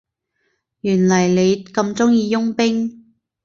原來你咁鍾意傭兵